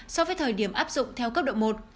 so với thời điểm áp dụng theo cấp độ một